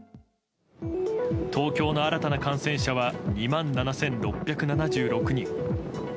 東京の新たな感染者は２万７６７６人。